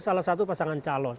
salah satu pasangan calon